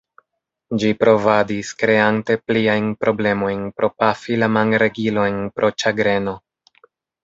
Ĝi provadis, kreante pliajn problemojn pro pafi la manregilojn pro ĉagreno.